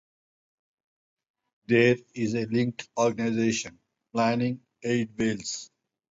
There is a linked organisation, Planning Aid Wales.